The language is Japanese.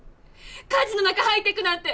火事の中入っていくなんて！